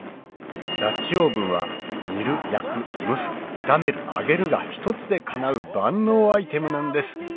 ダッチオーブンは煮る焼く蒸す炒める揚げるが１つでかなう万能アイテムなんです！